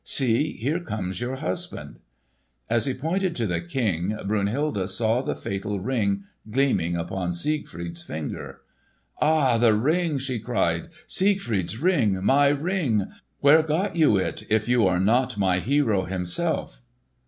See, here comes your husband." As he pointed to the King, Brunhilde saw the fatal Ring gleaming upon Siegfried's finger. "Ha! the Ring!" she cried. "Siegfried's Ring! My Ring! Where got you it, if you are not my hero himself?"